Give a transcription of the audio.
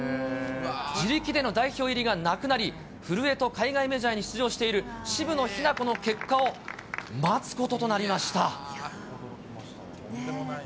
自力での代表入りがなくなり、古江と海外メジャーに出場している渋野日向子の結果を待つこととなりました。